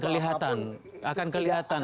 oh nanti akan kelihatan